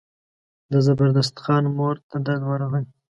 د زبردست خان مور ته درد ورغی.